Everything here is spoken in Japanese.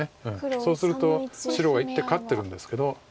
そうすると白が１手勝ってるんですけど。